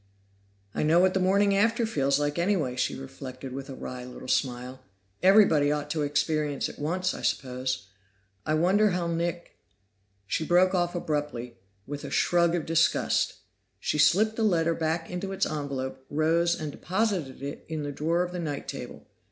"I know what the morning after feels like, anyway," she reflected with a wry little smile. "Everybody ought to experience it once, I suppose. I wonder how Nick " She broke off abruptly, with a shrug of disgust. She slipped the letter back into its envelope, rose and deposited it in the drawer of the night table.